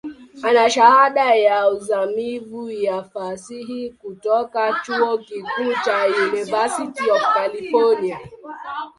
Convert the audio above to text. Ana Shahada ya uzamivu ya Fasihi kutoka chuo kikuu cha University of California.